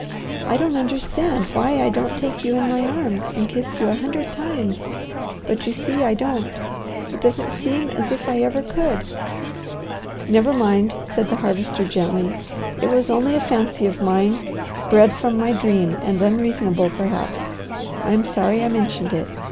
I don't understand why I don't take you in my arms and kiss you a hundred times, but you see I don't. It doesn't seem as if I ever could." "Never mind," said the Harvester gently. "It was only a fancy of mine, bred from my dream and unreasonable, perhaps. I am sorry I mentioned it.